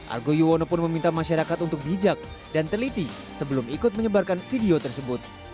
argo yuwono pun meminta masyarakat untuk bijak dan teliti sebelum ikut menyebarkan video tersebut